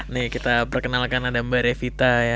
nih kita perkenalkan ada mbak revita ya